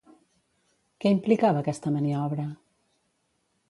Què implicava aquesta maniobra?